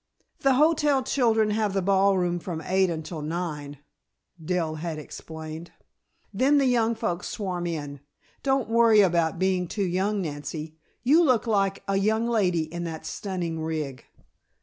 "The hotel children have the ball room from eight until nine," Dell had explained, "then the young folks swarm in. Don't worry about being too young, Nancy. You look like a young lady in that stunning rig."